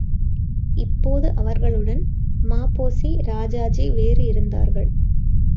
இப்போது அவர்களுடன் ம.பொ.சி., ராஜாஜி வேறு இருந்தார்கள்.